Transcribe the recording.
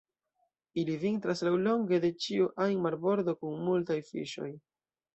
Ili vintras laŭlonge de ĉiu ajn marbordo kun multaj fiŝoj.